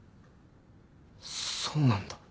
そうなんだ。